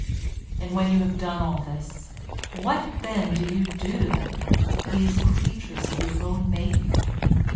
And when you have done all this, what then do you do to them, these creatures of your own making?